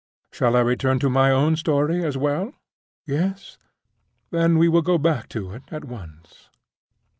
Shall I return to my own story as well? Yes? Then we will go back to it at once.